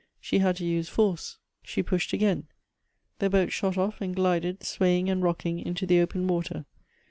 She had to use force ; she pushed again. The boat shot off, and glided, swaying and rocking into the open water.